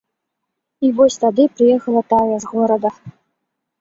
І вось тады прыехала тая, з горада.